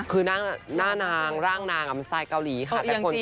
คือน่าหน้านางร่างนางอะมีไส้เกาหลีค่ะ